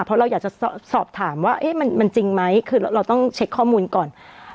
เพราะเราอยากจะสอบถามว่ามันจริงไหมคือเราต้องเช็คข้อมูลก่อน